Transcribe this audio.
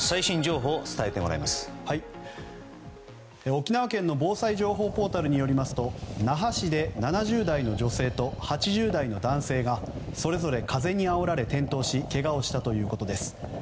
沖縄県の防災情報ポータルによりますと那覇市で７０代女性と８０代男性がそれぞれ風にあおられ転倒しけがをしたということです。